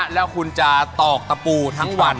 แล้วคุณจะตอกตะปูทั้งวัน